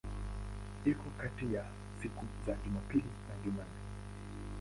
Iko kati ya siku za Jumapili na Jumanne.